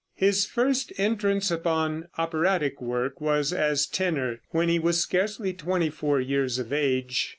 His first entrance upon operatic work was as tenor, when he was scarcely twenty four years of age.